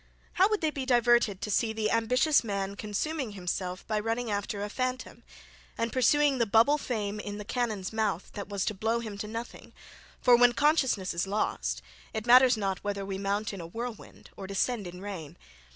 How would they be diverted to see the ambitious man consuming himself by running after a phantom, and, pursuing the bubble fame in "the cannon's mouth" that was to blow him to nothing: for when consciousness is lost, it matters not whether we mount in a whirlwind or descend in rain.